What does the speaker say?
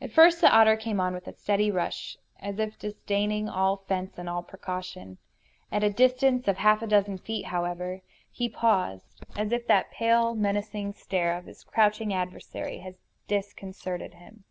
At first the otter came on with a steady rush, as if disdaining all fence and all precaution. At a distance of half a dozen feet, however, he paused, as if that pale, menacing stare of his crouching adversary had disconcerted him.